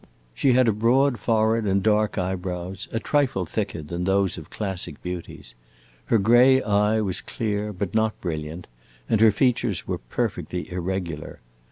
She had a broad forehead and dark eyebrows, a trifle thicker than those of classic beauties; her gray eye was clear but not brilliant, and her features were perfectly irregular.